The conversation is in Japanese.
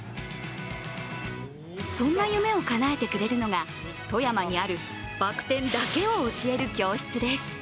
そんな夢をかなえてくれるのが富山にあるバク転だけを教える教室です。